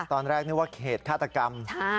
ตอนแรกคือเหตุฆาตกรรม